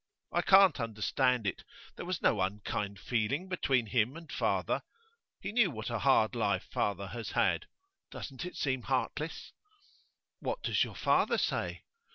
I can't understand it. There was no unkind feeling between him and father. He knew what a hard life father has had. Doesn't it seem heartless?' 'What does your father say?